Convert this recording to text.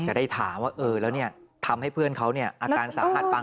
จะได้ถามว่าเออแล้วเนี่ยทำให้เพื่อนเขาเนี่ยอาการสาหัสปัง